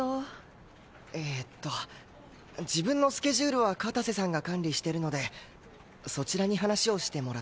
えーっと自分のスケジュールは片瀬さんが管理してるのでそちらに話をしてもらって。